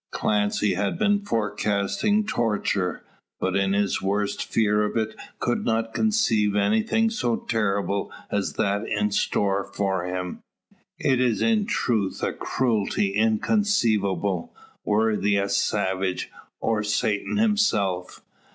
Clancy has been forecasting torture, but in his worst fear of it could not conceive any so terrible as that in store for him. It is in truth a cruelty inconceivable, worthy a savage, or Satan himself.